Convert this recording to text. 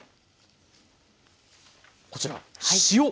こちら塩。